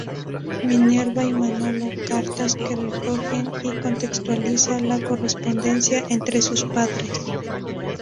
Minerva y Manolo, cartas"" que recoge y contextualiza la correspondencia entre sus padres.